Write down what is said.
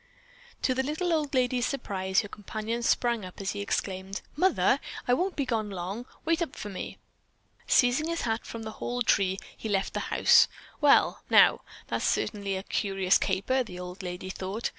'" To the little old lady's surprise, her companion sprang up as he exclaimed: "Mother, I won't be gone long. Wait up for me!" Seizing his hat from the hall "tree," he left the house. "Well, now, that's certainly a curious caper," the old lady thought.